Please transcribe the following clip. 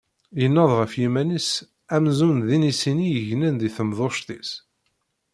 Yenneḍ ɣef yiman-is amzun d inisi-nni yegnen di temduct-is.